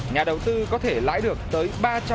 nhà đầu tư có thể lãi được tới ba trăm linh